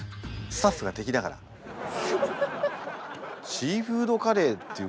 シーフードカレーっていうか